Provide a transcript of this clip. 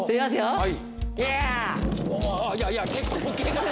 はい。